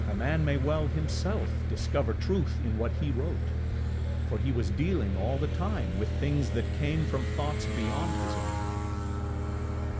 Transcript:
A man may well himself discover truth in what he wrote; for he was dealing all the time with things that came from thoughts beyond his own.